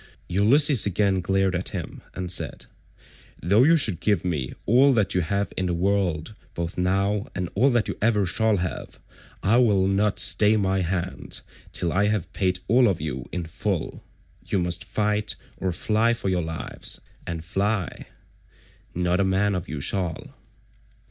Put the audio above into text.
Ulysses again glared at him and said, "Though you should give me all that you have in the world both now and all that you ever shall have, I will not stay my hand till I have paid all of you in full. You must fight, or fly for your lives; and fly, not a man of you shall."